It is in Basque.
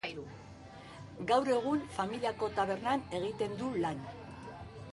Gaur egun familiako tabernan egiten du lan.